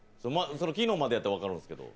昨日までやったら分かるんですけど。